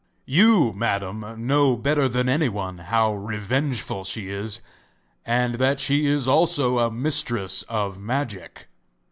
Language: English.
You, Madam, know better than anyone how revengeful she is, and that she is also a mistress of magic.